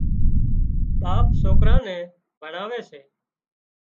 ٻاپ سوڪران نين ڀڻاوي سي